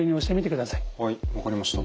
はい分かりました。